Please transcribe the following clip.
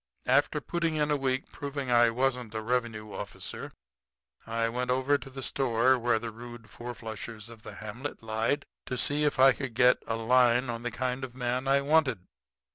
"After putting in a week proving I wasn't a revenue officer, I went over to the store where the rude fourflushers of the hamlet lied, to see if I could get a line on the kind of man I wanted.